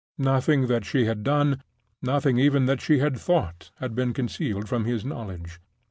Nothing that she had done, nothing even that she had thought, had been concealed from his knowledge.